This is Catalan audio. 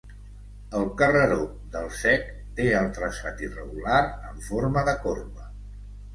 El carreró del Cec té el traçat irregular, en forma de corba.